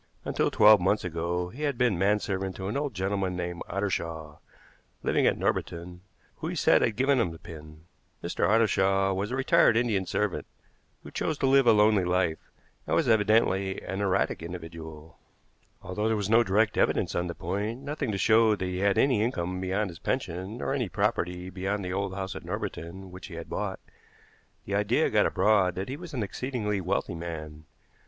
Until twelve months ago he had been manservant to an old gentleman named Ottershaw, living at Norbiton, who he said had given him the pin. Mr. Ottershaw was a retired Indian servant, who chose to live a lonely life, and was evidently an erratic individual. Although there was no direct evidence on the point, nothing to show that he had any income beyond his pension, nor any property beyond the old house at Norbiton which he had bought, the idea got abroad that he was an exceedingly wealthy man.